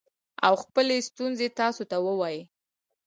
او خپلې ستونزې تاسو ته ووايي